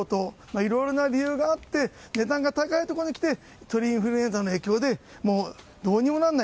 いろいろな理由があって値段が高いところにきて鳥インフルエンザの影響でもう、どうにもならない。